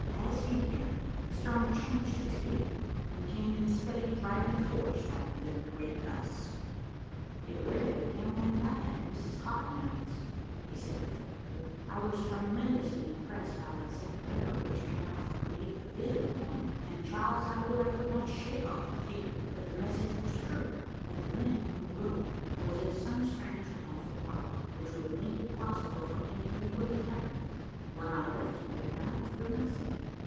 As he began, the storm changed its key, and came in steady, driving force rather than in great gusts. "It really began that night at Mrs. Hartnell's," he said reflectively. "I was tremendously impressed by that second letter which came out from beneath the visible one and, try as I would, I could not shake off a feeling that the message was true; that the man who wrote possessed some strange and awful power, which would make it possible for him to do what he threatened. When I left you that night, I could not sleep.